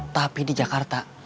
tapi di jakarta